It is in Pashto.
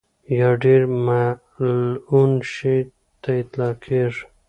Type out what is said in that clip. یا ډېر ملعون شي ته اطلاقېږي.